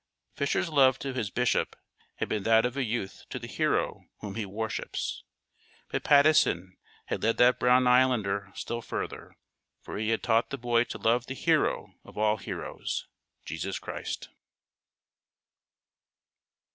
Fisher's love to his Bishop had been that of a youth to the hero whom he worships, but Patteson had led that brown islander still further, for he had taught the boy to love the Hero of all heroes, Jesus Christ.